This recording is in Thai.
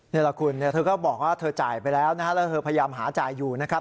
นี่แหละคุณเธอก็บอกว่าเธอจ่ายไปแล้วนะฮะแล้วเธอพยายามหาจ่ายอยู่นะครับ